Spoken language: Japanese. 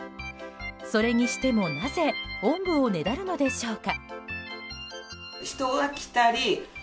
それにしても、なぜおんぶをねだるのでしょうか。